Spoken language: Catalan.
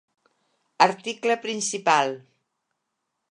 Article principal: